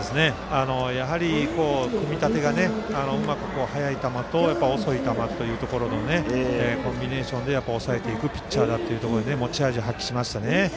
やはり組み立てがうまく速い球と遅い球というところのコンビネーションでやっぱり抑えていくピッチャーだということで持ち味発揮しましたね。